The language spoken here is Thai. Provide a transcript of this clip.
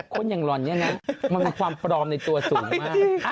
คนอย่างร้อนอย่างงั้นมันเป็นความปรอมในตัวสูงมาก